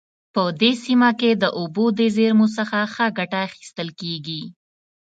په دې سیمه کې د اوبو د زیرمو څخه ښه ګټه اخیستل کیږي